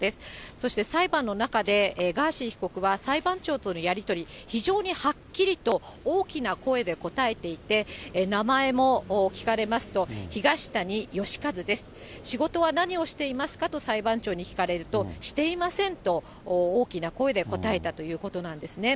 そして裁判の中でガーシー被告は裁判長とのやり取り、非常にはっきりと大きな声で答えていて、名前も聞かれますと、東谷義和です、仕事は何をしていますかと裁判長に聞かれると、していませんと、大きな声で答えたということなんですね。